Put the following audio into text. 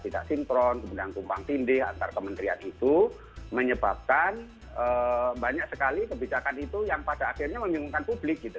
tidak sinkron kemudian tumpang tindih antar kementerian itu menyebabkan banyak sekali kebijakan itu yang pada akhirnya membingungkan publik gitu